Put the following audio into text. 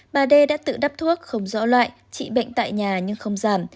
bà đê đã tự đắp thuốc không rõ loại trị bệnh tại nhà nhưng không giảm